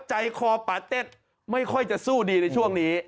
ใจคอปาเต็ดไม่ค่อยจะสู้ดีในช่วงนี้